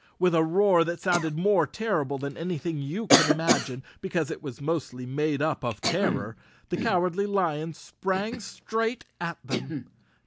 With a roar that sounded more terrible than any¬ thing you could imagine, because it was mostly made up of terror, the Cowardly Lion sprang straight at them.